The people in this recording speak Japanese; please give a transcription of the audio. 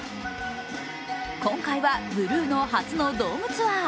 今回はブルーノ初のドームツアー。